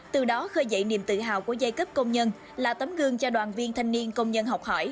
từ đó khơi dậy niềm tự hào của giai cấp công nhân là tấm gương cho đoàn viên thanh niên công nhân học hỏi